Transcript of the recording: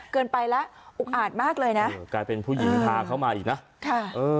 เกินไปแล้วอุกอาจมากเลยนะกลายเป็นผู้หญิงพาเขามาอีกนะค่ะเออ